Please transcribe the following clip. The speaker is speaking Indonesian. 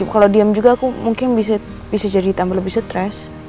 kalau diam juga aku mungkin bisa jadi tambah lebih stres